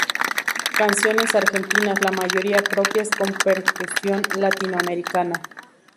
Canciones argentinas ―la mayoría propias― con percusión latinoamericana.